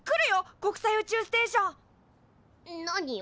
国際宇宙ステーション！何よ。